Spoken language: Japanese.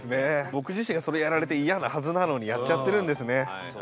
僕自身それやられて嫌なはずなのにやっちゃってるんですね。